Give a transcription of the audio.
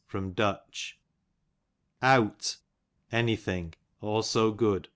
Du, Owt, any thing ; also good.